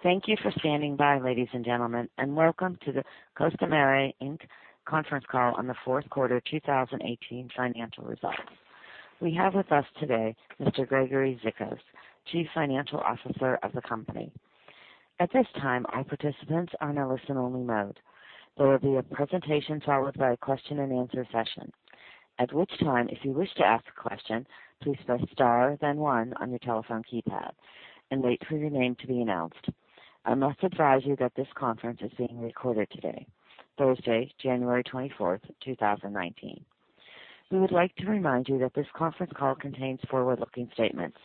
Thank you for standing by, ladies and gentlemen, and welcome to the Costamare Inc. onference call on the Fourth Quarter 2018 Financial Results. We have with us today Mr. Gregory Zikos, Chief Financial Officer of the company. At this time, all participants are in a listen-only mode. There will be a presentation followed by a question-and-answer session. At which time, if you wish to ask a question, please press star then one on your telephone keypad and wait for your name to be announced. I must advise you that this conference is being recorded today, Thursday, January 24th, 2019. We would like to remind you that this conference call contains forward-looking statements.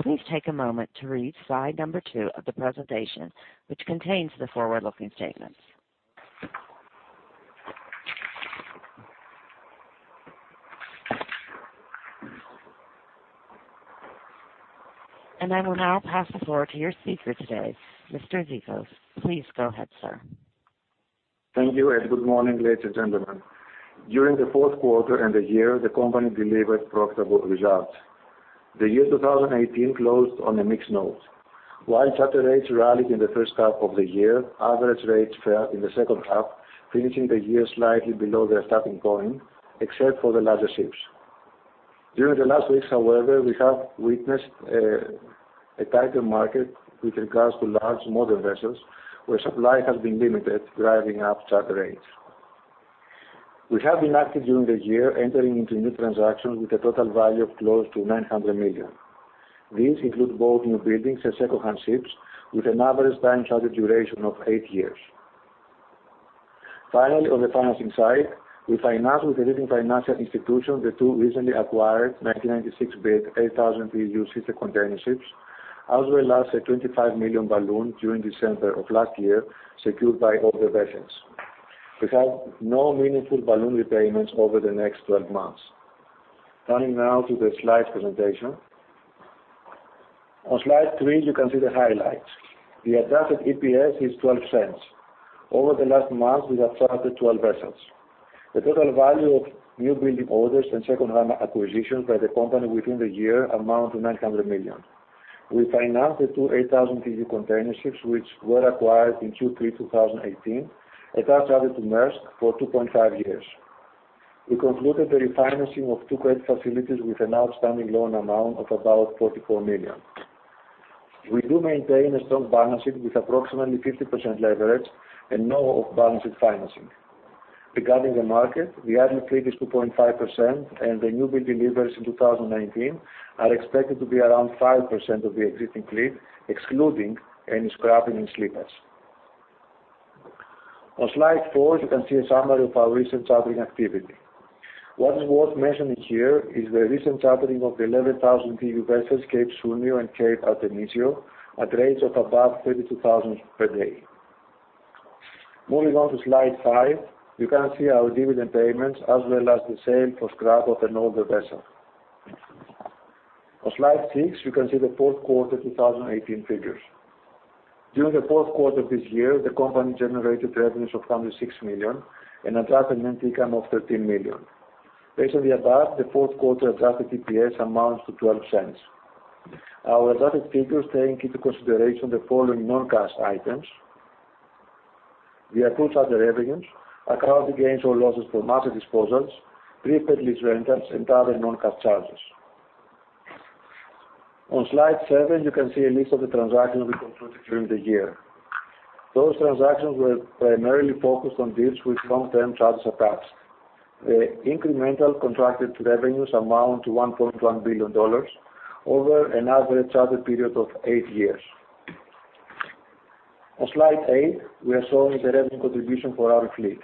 Please take a moment to read slide number two of the presentation, which contains the forward-looking statements. I will now pass the floor to your speaker today, Mr. Zikos. Please go ahead, sir. Thank you, good morning, ladies and gentlemen. During the fourth quarter and the year, the company delivered profitable results. The year 2018 closed on a mixed note. While charter rates rallied in the first half of the year, average rates fell in the second half, finishing the year slightly below their starting point, except for the larger ships. During the last weeks, however, we have witnessed a tighter market with regards to large modern vessels, where supply has been limited, driving up charter rates. We have been active during the year, entering into new transactions with a total value of close to $900 million. These include both new buildings and secondhand ships, with an average time charter duration of eight years. Finally, on the financing side, we financed with the leading financial institutions the two recently acquired 1996-built 8,000 TEU sister container ships, as well as a $25 million balloon during December of last year, secured by older vessels. We have no meaningful balloon repayments over the next 12 months. Turning now to the slides presentation. On slide three, you can see the highlights. The adjusted EPS is $0.12. Over the last month, we have chartered 12 vessels. The total value of new building orders and secondhand acquisitions by the company within the year amount to $900 million. We financed the two 8,000 TEU container ships, which were acquired in Q3 2018, and are chartered to Maersk for 2.5 years. We concluded the refinancing of two credit facilities with an outstanding loan amount of about $44 million. We do maintain a strong balance sheet with approximately 50% leverage and no off-balance sheet financing. Regarding the market, the idle fleet is 2.5%, and the new build deliveries in 2019 are expected to be around 5% of the existing fleet, excluding any scrapping and sleepers. On slide four, you can see a summary of our recent chartering activity. What is worth mentioning here is the recent chartering of the 11,000 TEU vessels Cape Sounio and Cape Artemisio at rates of above $32,000 per day. Moving on to slide five, you can see our dividend payments as well as the sale for scrap of an older vessel. On slide six, you can see the fourth quarter 2018 figures. During the fourth quarter of this year, the company generated revenues of $106 million and adjusted net income of $13 million. Based on the above, the fourth quarter adjusted EPS amounts to $0.12. Our adjusted figures take into consideration the following non-cash items: the accrued charter revenues, accounting gains or losses from asset disposals, prepaid lease rentals, and other non-cash charges. On slide seven, you can see a list of the transactions we concluded during the year. Those transactions were primarily focused on deals with long-term charters attached. The incremental contracted revenues amount to $1.1 billion over an average charter period of eight years. On slide eight, we are showing the revenue contribution for our fleet.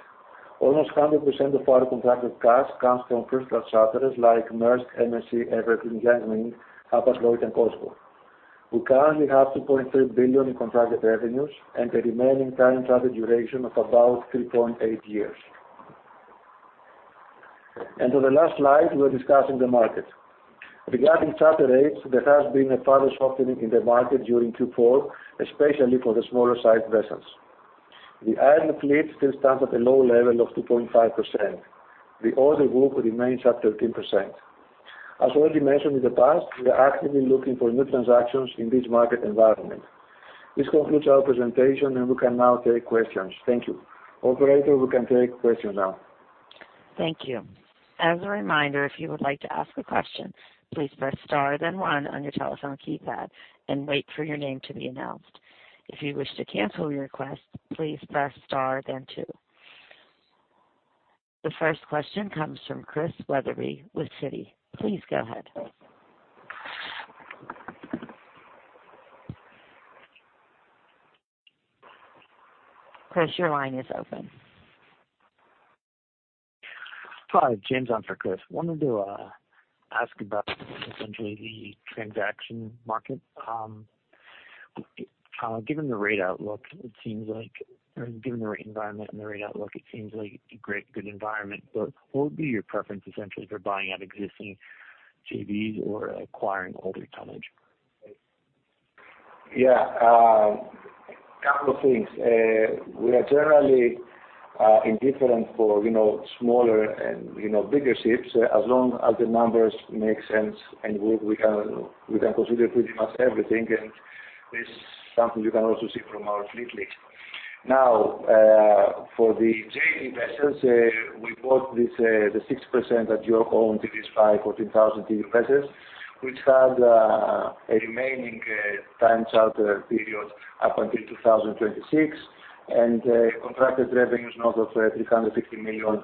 Almost 100% of our contracted cash comes from first-class charterers like Maersk, MSC, Evergreen, Yang Ming, Hapag-Lloyd and COSCO. We currently have $2.3 billion in contracted revenues and a remaining time charter duration of about 3.8 years. On the last slide, we are discussing the market. Regarding charter rates, there has been a further softening in the market during Q4, especially for the smaller-sized vessels. The idle fleet still stands at a low level of 2.5%. The older group remains at 13%. As already mentioned in the past, we are actively looking for new transactions in this market environment. This concludes our presentation, and we can now take questions. Thank you. Operator, we can take questions now. Thank you. As a reminder, if you would like to ask a question, please press star then one on your telephone keypad and wait for your name to be announced. If you wish to cancel your request, please press star then two. The first question comes from Chris Wetherbee with Citi. Please go ahead. Chris, your line is open. Hi, James on for Chris. I wanted to ask about essentially the transaction market. Given the rate environment and the rate outlook, it seems like a great good environment. What would be your preference essentially for buying out existing JVs or acquiring older tonnage? Yeah. A couple of things. We are generally indifferent for smaller and bigger ships, as long as the numbers make sense and we can consider pretty much everything, and this is something you can also see from our fleet mix. For the JV vessels, we bought the 6% that York owned in these five 14,000 TEU vessels, which had a remaining time charter period up until 2026, and contracted revenues north of $350 million.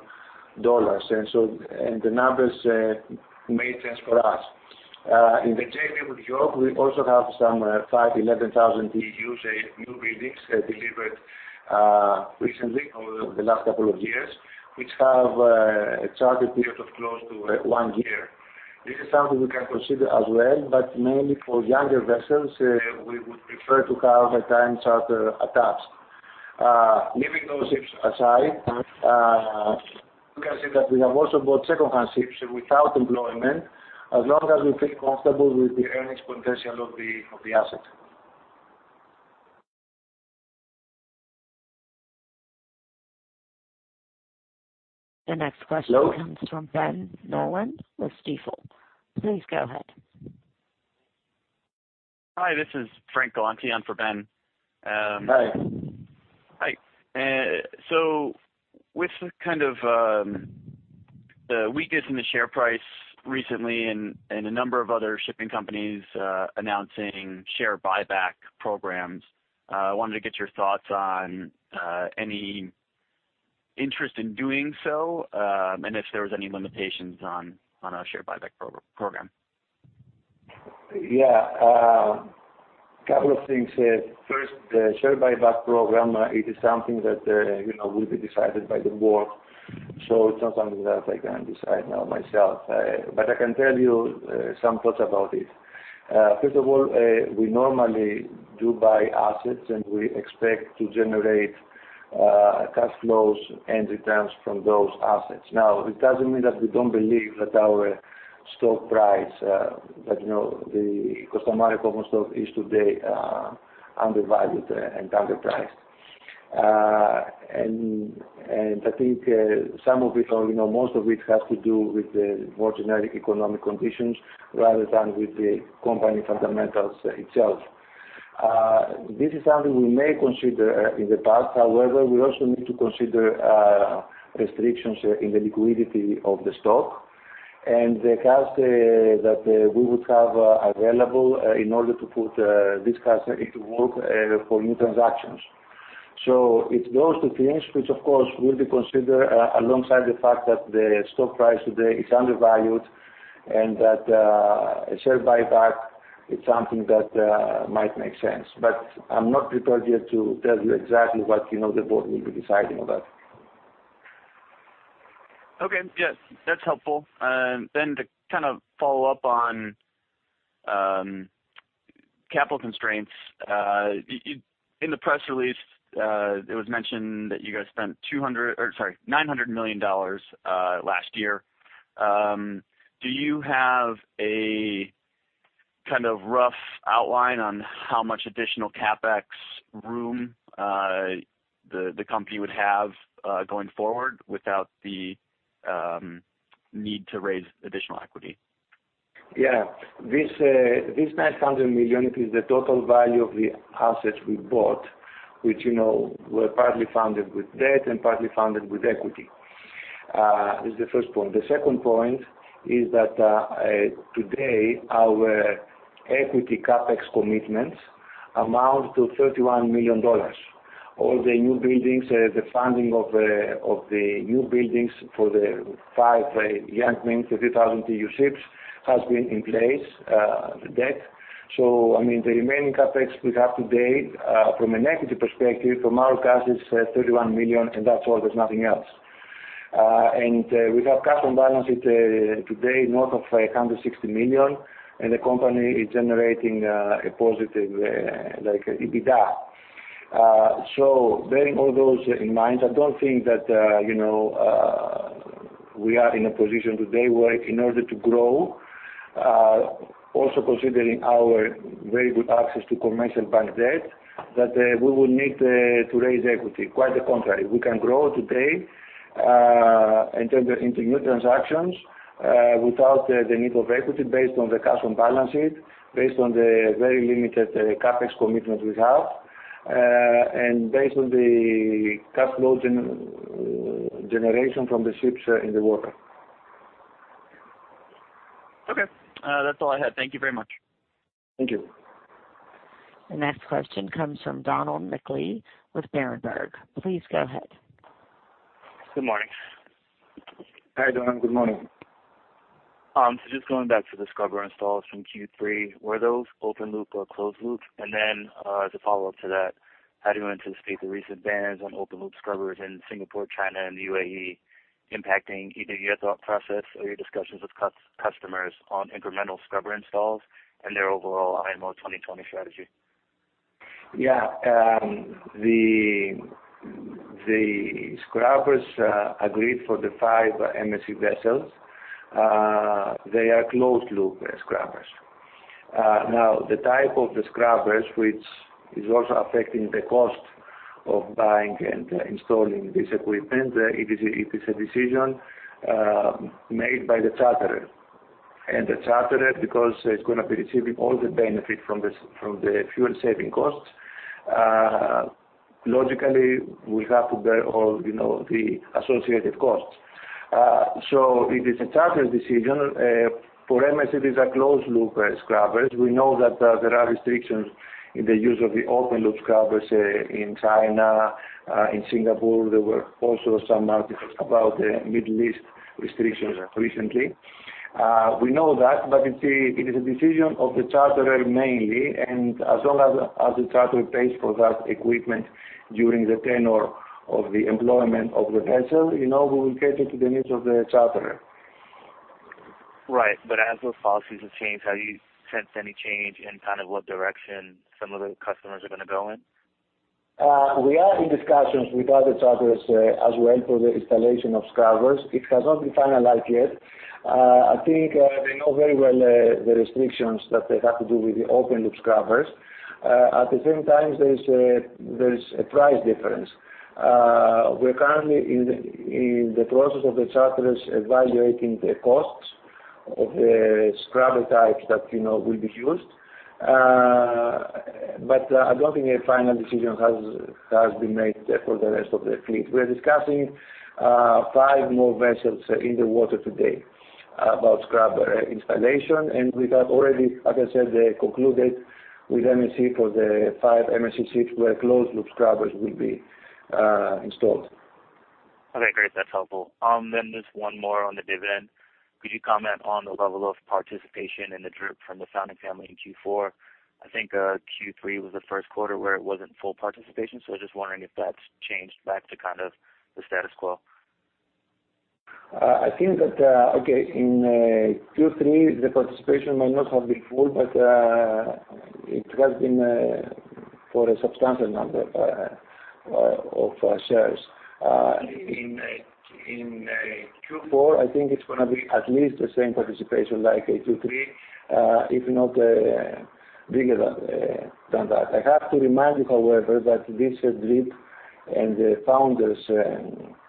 The numbers made sense for us. In the JV with York, we also have some five 11,000 TEUs, newbuildings delivered recently, over the last couple of years, which have a charter period of close to one year. This is something we can consider as well, but mainly for younger vessels, we would prefer to have a time charter attached. Leaving those ships aside, you can see that we have also bought secondhand ships without employment, as long as we feel comfortable with the earnings potential of the asset. The next question comes from Ben Nolan with Stifel. Please go ahead. Hi, this is Frank Galanti on for Ben. Hi. Hi. With the weakness in the share price recently and a number of other shipping companies announcing share buyback programs, I wanted to get your thoughts on any interest in doing so, and if there was any limitations on a share buyback program. Yeah. A couple of things. First, the share buyback program, it is something that will be decided by the board. It's not something that I can decide now myself. I can tell you some thoughts about it. First of all, we normally do buy assets, and we expect to generate cash flows and returns from those assets. It doesn't mean that we don't believe that our stock price, the Costamare common stock, is today undervalued and underpriced. I think most of it has to do with the more generic economic conditions rather than with the company fundamentals itself. This is something we may consider in the past. However, we also need to consider restrictions in the liquidity of the stock and the cash that we would have available in order to put this cash into work for new transactions. It's those two things which of course will be considered alongside the fact that the stock price today is undervalued and that a share buyback is something that might make sense. I'm not prepared yet to tell you exactly what the board will be deciding on that. Okay. Yeah, that's helpful. To follow up on capital constraints. In the press release, it was mentioned that you guys spent $900 million last year. Do you have a rough outline on how much additional CapEx room the company would have going forward without the need to raise additional equity? Yeah. This $900 million is the total value of the assets we bought, which were partly funded with debt and partly funded with equity. This is the first point. The second point is that today our equity CapEx commitments amount to $31 million. All the newbuildings, the funding of the newbuildings for the five Yang Ming 15,000 TEU ships has been in place, the debt. The remaining CapEx we have today from an equity perspective, from our cash, is $31 million, and that's all. There's nothing else. We have cash on balance sheet today north of $160 million, and the company is generating a positive EBITDA. Bearing all those in mind, I don't think that we are in a position today where in order to grow, also considering our very good access to commercial bank debt, that we would need to raise equity. Quite the contrary. We can grow today into new transactions without the need of equity based on the cash on balance sheet, based on the very limited CapEx commitments we have, and based on the cash flow generation from the ships in the water. Okay. That's all I had. Thank you very much. Thank you. The next question comes from Donald McLee with Berenberg. Please go ahead. Good morning. Hi, Donald. Good morning. Just going back to the scrubber installs from Q3, were those open-loop or closed-loop? As a follow-up to that, how do you anticipate the recent bans on open-loop scrubbers in Singapore, China, and the UAE impacting either your thought process or your discussions with customers on incremental scrubber installs and their overall IMO 2020 strategy? Yeah. The scrubbers agreed for the five MSC vessels, they are closed-loop scrubbers. The type of the scrubbers, which is also affecting the cost of buying and installing this equipment, it is a decision made by the charterer. The charterer, because it's going to be receiving all the benefit from the fuel-saving costs, logically will have to bear all the associated costs. It is a charter decision. For MSC, these are closed-loop scrubbers. We know that there are restrictions in the use of the open-loop scrubbers in China, in Singapore. There were also some articles about Middle East restrictions recently. We know that, but it is a decision of the charterer mainly, and as long as the charterer pays for that equipment during the tenure of the employment of the vessel, we will cater to the needs of the charterer. Right. As those policies have changed, have you sensed any change in what direction some of the customers are going to go in? We are in discussions with other charterers as well for the installation of scrubbers. It has not been finalized yet. I think they know very well the restrictions that they have to do with the open-loop scrubbers. At the same time, there is a price difference. We're currently in the process of the charterers evaluating the costs of the scrubber types that will be used. I don't think a final decision has been made for the rest of the fleet. We're discussing 5 more vessels in the water today about scrubber installation, and we have already, as I said, concluded with MSC for the 5 MSC ships where closed-loop scrubbers will be installed. Okay, great. That's helpful. Just one more on the dividend. Could you comment on the level of participation in the DRIP from the founding family in Q4? I think Q3 was the first quarter where it wasn't full participation, just wondering if that's changed back to the status quo. I think that, okay, in Q3, the participation might not have been full but it has been for a substantial number of shares. In Q4, I think it is going to be at least the same participation like in Q3 if not bigger than that. I have to remind you, however, that this DRIP and the founders'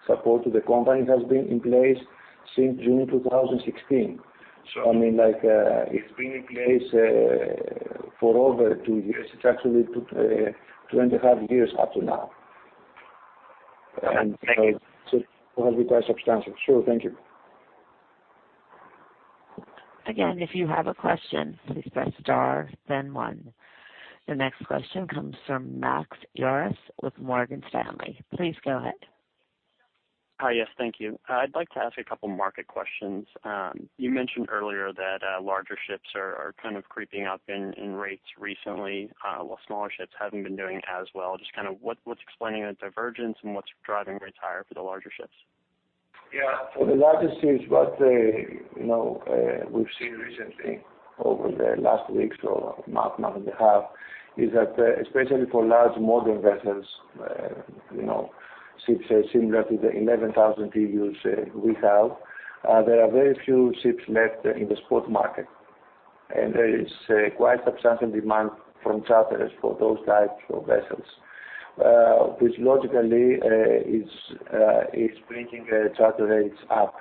support to the company has been in place since June 2016. I mean, it has been in place for over two years. It is actually two and a half years up to now. Thank you. It has been quite substantial. Sure. Thank you. Again, if you have a question, please press star then one. The next question comes from Max Yaras with Morgan Stanley. Please go ahead. Hi. Yes, thank you. I'd like to ask a couple of market questions. You mentioned earlier that larger ships are kind of creeping up in rates recently, while smaller ships haven't been doing as well. Just what's explaining the divergence and what's driving rates higher for the larger ships? Yeah. For the larger ships, what we've seen recently over the last weeks or month and a half, is that especially for large modern vessels, ships similar to the 11,000 TEUs we have, there are very few ships left in the spot market. There is quite substantial demand from charterers for those types of vessels, which logically is bringing charter rates up.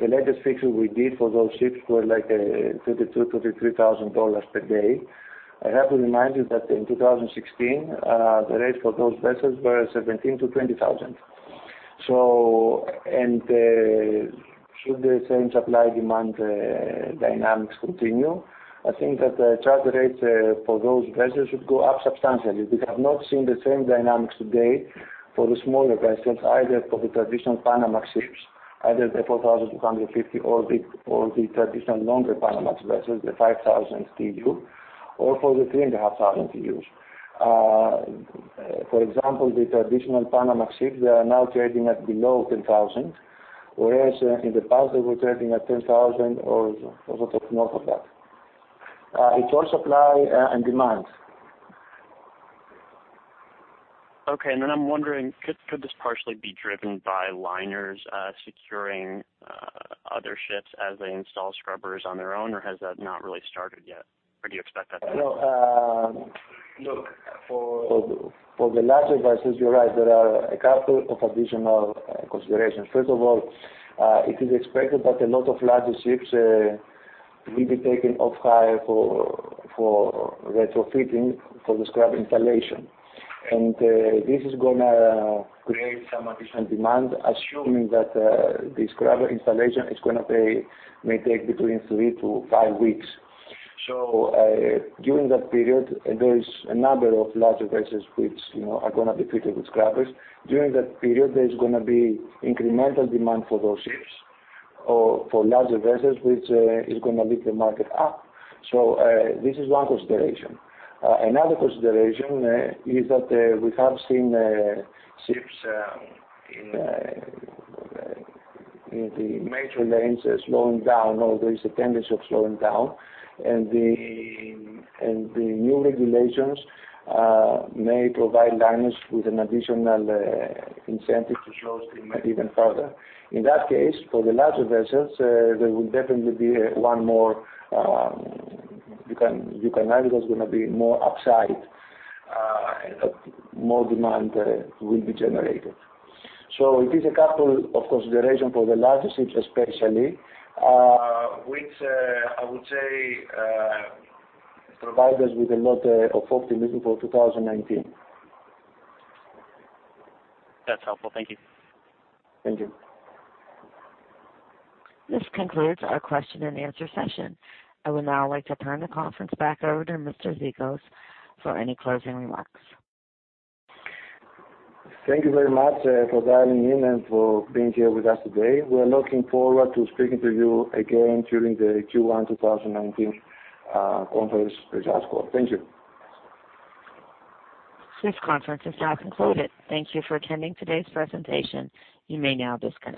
The latest fixes we did for those ships were like $22,000, $23,000 per day. I have to remind you that in 2016, the rates for those vessels were $17,000-$20,000. Should the same supply-demand dynamics continue, I think that the charter rates for those vessels should go up substantially. We have not seen the same dynamics today for the smaller vessels, either for the traditional Panama ships, either the 4,250 or the traditional longer Panama vessels, the 5,000 TEU or for the 3,500 TEU. For example, the traditional Panama ships, they are now trading at below $10,000, whereas in the past, they were trading at $10,000 or a little north of that. It's all supply and demand. Okay. I'm wondering, could this partially be driven by liners securing other ships as they install scrubbers on their own, or has that not really started yet, or do you expect that to happen? No. Look, for the larger vessels, you're right. There are a couple of additional considerations. First of all, it is expected that a lot of larger ships will be taken off hire for retrofitting for the scrubber installation. This is going to create some additional demand, assuming that the scrubber installation is going to take between 3-5 weeks. During that period, there is a number of larger vessels which are going to be fitted with scrubbers. During that period, there's going to be incremental demand for those ships or for larger vessels, which is going to lift the market up. This is one consideration. Another consideration is that we have seen ships in the major lanes slowing down, or there is a tendency of slowing down, and the new regulations may provide liners with an additional incentive to slow steam even further. In that case, for the larger vessels, there will definitely be one more, you can argue there's going to be more upside, more demand will be generated. It is a couple of considerations for the larger ships especially, which I would say provide us with a lot of optimism for 2019. That's helpful. Thank you. Thank you. This concludes our question and answer session. I would now like to turn the conference back over to Mr. Zikos for any closing remarks. Thank you very much for dialing in and for being here with us today. We are looking forward to speaking to you again during the Q1 2019 conference results call. Thank you. This conference is now concluded. Thank you for attending today's presentation. You may now disconnect.